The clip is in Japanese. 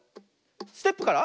ステップから。